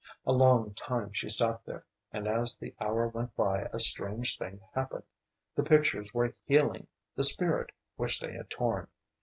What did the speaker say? A long time she sat there, and as the hour went by a strange thing happened. The pictures were healing the spirit which they had torn.